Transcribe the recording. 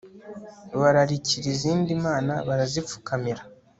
bararikira izindi mana, barazipfukamira